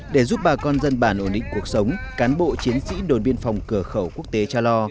để giúp bà con dân bản ổn định cuộc sống cán bộ chiến sĩ đồn biên phòng cửa khẩu quốc tế cha lo